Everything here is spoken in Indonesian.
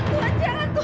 pasti ayah melihat itu